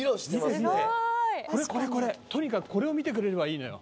とにかくこれを見てくれればいいのよ。